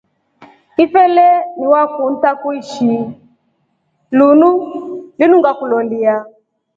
Ifele waku ntakuishhi lunu ngakuloria.